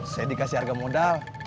saya dikasih harga modal